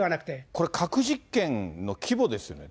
これ、核実験の規模ですよね。